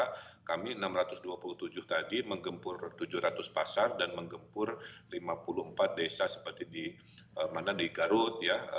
karena kami enam ratus dua puluh tujuh tadi menggempur tujuh ratus pasar dan menggempur lima puluh empat desa seperti di garut ya